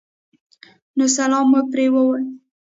نو سلام مو پرې ووې